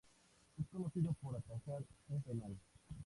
Es conocido por atajar un penal.